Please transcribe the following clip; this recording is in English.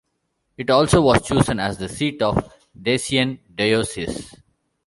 It also was chosen as the seat of the Dacian diocese.